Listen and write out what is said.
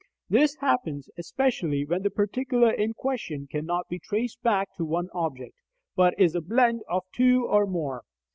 This happens especially when the particular in question cannot be traced back to one object, but is a blend of two or more.